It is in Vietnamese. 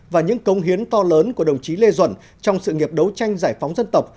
và những công hiến to lớn của đồng chí lê duẩn trong sự nghiệp đấu tranh giải phóng dân tộc